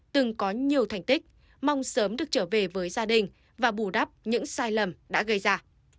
từng có nhiều thành tích mong sớm được trở về với gia đình và bù đắp những sai lầm đã gây ra